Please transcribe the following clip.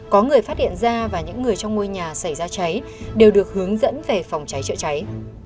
có người phát hiện ra và những người trong ngôi nhà xảy ra cháy đều được hướng dẫn về phòng cháy chữa cháy